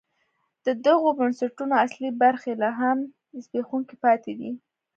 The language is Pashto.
د دغو بنسټونو اصلي برخې لا هم زبېښونکي پاتې دي.